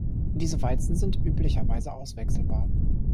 Diese Walzen sind üblicherweise auswechselbar.